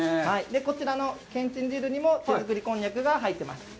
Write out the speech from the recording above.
こちらのけんちん汁にも手作りこんにゃくが入っています。